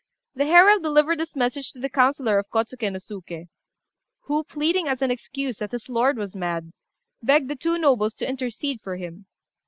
The herald delivered this message to the councillor of Kôtsuké no Suké, who, pleading as an excuse that his lord was mad, begged the two nobles to intercede for him.